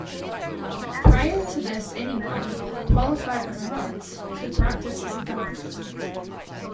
Prior to this anyone, qualified or not, could practice as a doctor.